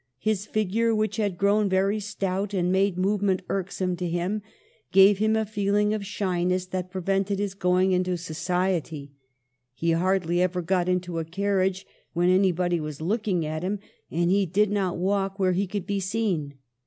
His figure, which had grown very stout and made movement irksome to him, gave him a feeling of shyness that prevented his going into society. He hardly ever got into a carriage when anybody was looking at him, and he did not walk where he could be seen.